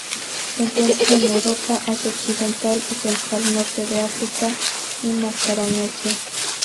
Se encuentra en Europa, Asia occidental y central, Norte de África y Macaronesia.